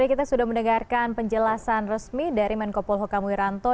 aku juga sudah mendengarkan penjelasan resmi dari man ko polohokam wiranto